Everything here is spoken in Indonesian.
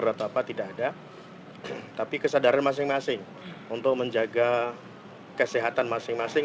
atau apa tidak ada tapi kesadaran masing masing untuk menjaga kesehatan masing masing